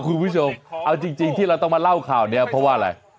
คุณผู้ชมเอาจริงที่เราต้องมาเล่าข่าวนี้เพราะว่าอะไร